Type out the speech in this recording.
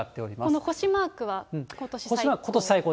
この星マークはことし最高？